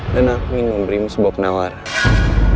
dan aku ingin memberimu sebuah penawaran